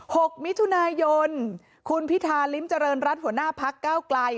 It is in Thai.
หกมิถุนายนคุณพิธาริมเจริญรัฐหัวหน้าพักเก้าไกล